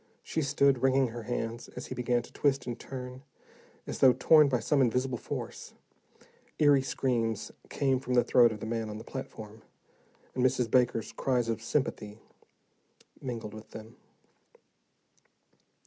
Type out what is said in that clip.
She stood, wringing her hands, as he began to twist and turn, as though torn by some invisible force. Eery screams came from the throat of the man on the platform, and Mrs. Baker's cries of sympathy mingled with them.